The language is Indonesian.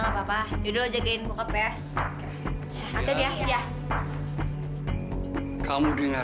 kau bisa ada dua